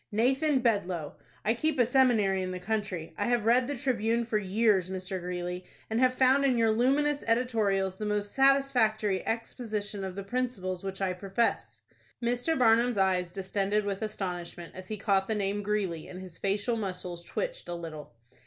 "Nathan Bedloe. I keep a seminary in the country. I have read the 'Tribune' for years, Mr. Greeley, and have found in your luminous editorials the most satisfactory exposition of the principles which I profess." Mr. Barnum's eyes distended with astonishment as he caught the name Greeley, and his facial muscles twitched a little.